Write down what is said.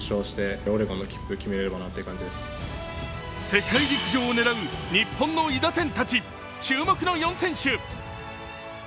世界陸上を狙う日本の韋駄天たち、注目の４選手。